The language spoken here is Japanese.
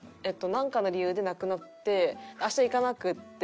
なんかの理由でなくなって明日行かなくて。